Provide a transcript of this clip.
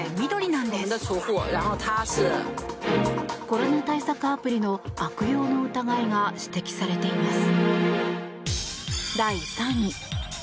コロナ対策アプリの悪用の疑いが指摘されています。